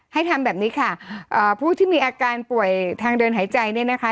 ให้ทำแบบนี้ค่ะผู้ที่มีอาการป่วยทางเดินหายใจเนี่ยนะคะ